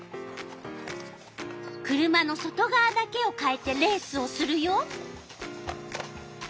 車の外がわだけをかえてレースをするよ。